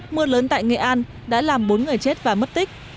mưa lớn tại nghệ an đã làm bốn người chết và mất tích